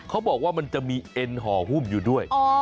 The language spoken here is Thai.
เขาบอกว่ามันจะมีเอ็นห่อหุ้มอยู่ด้วย